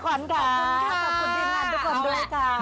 ขอบคุณค่ะขอบคุณจริงมั่นทุกคนด้วยค่ะ